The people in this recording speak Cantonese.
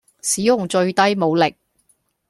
使用最低武力